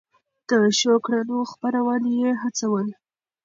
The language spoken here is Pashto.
د ښو کړنو خپرول يې هڅول.